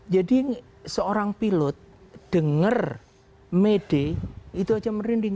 jadi seorang pilot denger mede itu aja merinding